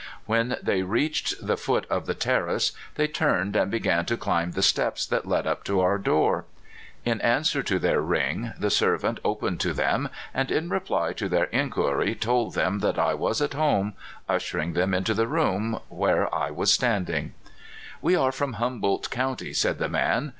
When they reached the foot of the terrace they turned and began to climb the steps that led up to our door. In an swer to their ring the servant opened to them, and in reply to their inquiry told them that I was at 314 CALIFORNIA SKETCHES. home, ushering them into the room where I was sitting. We are from Humboldt County," said the man.